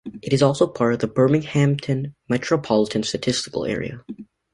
It is also part of the Binghamton Metropolitan Statistical Area.